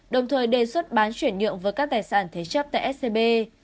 đồng thời đề xuất bán chuyển nhượng với các tài sản thế chấp tại scb